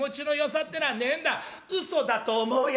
「うそだと思うよ